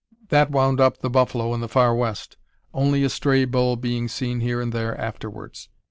That wound up the buffalo in the Far West, only a stray bull being seen here and there afterwards."